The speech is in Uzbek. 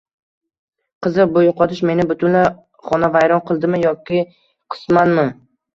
Qiziq, bu yoʻqotish meni butunlay xonavayron qildimi yoki qismanmi?